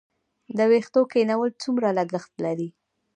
د ویښتو کینول څومره لګښت لري؟